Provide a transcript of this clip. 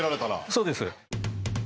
そうです。